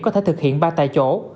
có thể thực hiện ba tài chỗ